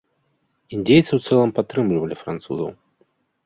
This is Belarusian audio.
Індзейцы ў цэлым падтрымлівалі французаў.